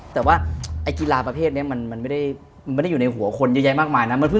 แต่ว่าไอ้กีฬาประเภทนี้มันไม่ได้อยู่ในหัวคนเยอะแยะมากมายนะ